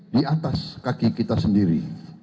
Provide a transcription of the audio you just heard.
di atas kaki kita sendiri